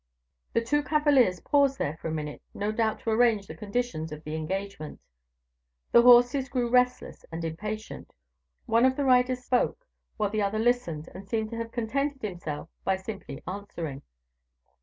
"The two cavaliers paused there for a minute, no doubt to arrange the conditions of the engagement; the horses grew restless and impatient. One of the riders spoke, while the other listened and seemed to have contented himself by simply answering.